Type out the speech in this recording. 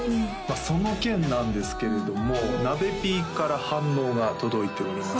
その件なんですけれどもなべＰから反応が届いております